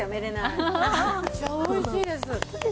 めっちゃ美味しいです。